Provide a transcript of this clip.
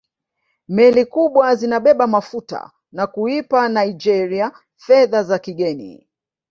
Meli kubwa zinabeba mafuta na kuipa Naigeria fedha za kigeni